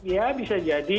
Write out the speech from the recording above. ya bisa jadi